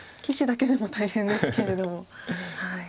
棋士だけでも大変ですけれども。